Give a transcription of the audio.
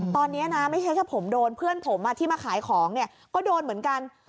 ตอนนี้นะไม่ใช่แค่ผมโดนเพื่อนผมที่มาขายของเนี่ยก็โดนเหมือนกัน